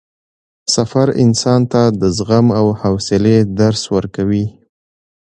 سفر انسان ته د زغم او حوصلې درس ورکوي